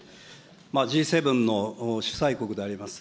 Ｇ７の主催国であります